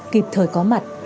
kịp thời có mặt